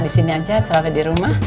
di sini aja sholat di rumah